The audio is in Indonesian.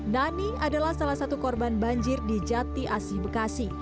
nani adalah salah satu korban banjir di jati asih bekasi